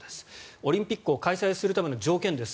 オリンピックを開催するための条件です。